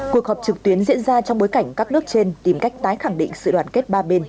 cuộc họp trực tuyến diễn ra trong bối cảnh các nước trên tìm cách tái khẳng định sự đoàn kết ba bên